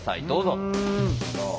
どうぞ。